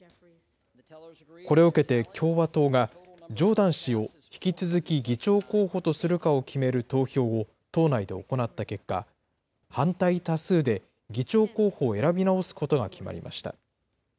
これを受けて共和党が、ジョーダン氏を引き続き議長候補とするかを決める投票を党内で行った結果、反対多数で議長候補を選び直すことが決まりました。